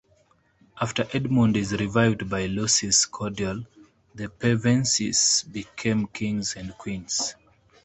After Edmund is revived by Lucy's cordial, the Pevensies become Kings and Queens.